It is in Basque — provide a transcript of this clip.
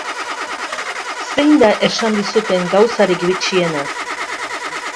Zein da esan dizuten gauzarik bitxiena?